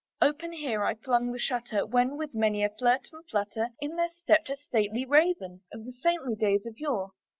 Open here I flung the shutter, when, with many a flirt and flutter, In there stepped a stately Raven of the saintly days of yore.